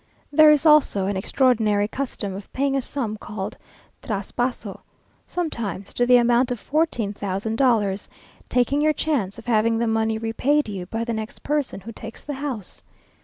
There is also an extraordinary custom of paying a sum called traspaso, sometimes to the amount of fourteen thousand dollars, taking your chance of having the money repaid you by the next person who takes the house.